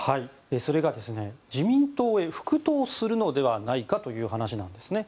それが、自民党へ復党するのではないかという話なんですね。